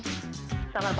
selamat malam ibu fera